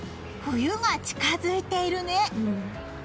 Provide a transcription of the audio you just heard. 冬が近づいているね！